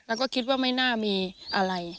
แล้วก็คิดว่าไม่น่ามีอะไร